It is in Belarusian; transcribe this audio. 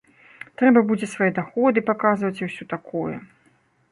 Трэба будзе свае даходы паказваць і ўсё такое.